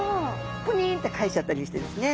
ぷにんって返しちゃったりしてですね。